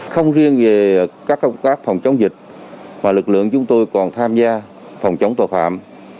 không riêng về các phòng chống dịch mà lực lượng chúng tôi còn tham gia phòng chống tội phạm